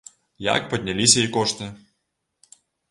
Як падняліся і кошты.